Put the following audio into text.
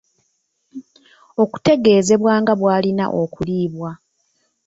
okutegeezebwa nga bw’alina okuliibwa